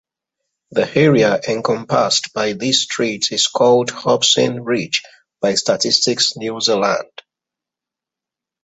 The area encompassed by these streets is called Hobson Ridge by Statistics New Zealand.